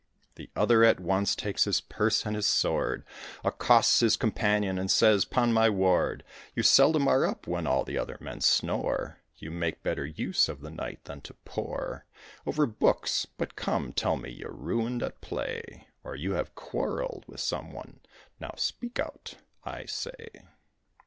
The other at once takes his purse and his sword, Accosts his companion, and says, "'Pon my word You seldom are up when all other men snore; You make better use of the night than to pore Over books; but come, tell me, you're ruined at play, Or you have quarrelled with some one; now, speak out, I say.